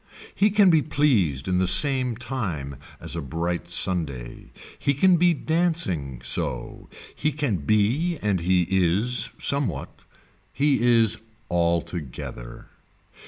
He can be pleased in the same time as a bright Sunday. He can be dancing so. He can be and he is somewhat. He is altogether.